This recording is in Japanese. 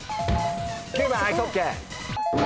９番アイスホッケー。